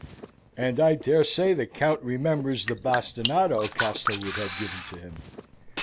"And I dare say the Count remembers the bastinado Castlewood had given to him.